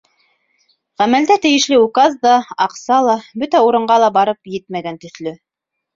Ғәмәлдә тейешле указ да, аҡса ла бөтә урынға ла барып етмәгән төҫлө.